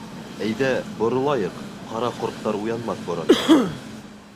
Әйҙә, боролайыҡ, ҡара ҡорттар уянмаҫ борон...